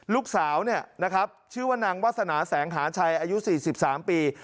ลูกสาวเนี่ยนะครับชื่อว่านางวาสนาแสงหาชัยอายุ๔๓ปี